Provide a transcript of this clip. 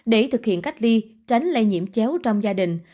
để thực hiện cách ly tránh lây nhiễm chéo trong gia đình